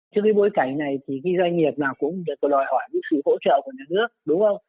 trước cái bối cảnh này thì cái doanh nghiệp nào cũng đòi hỏi cái sự hỗ trợ của nhà nước đúng không